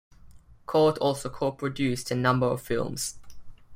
Cort also co-produced a number of films.